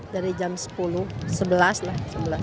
dari jam sepuluh sebelas lah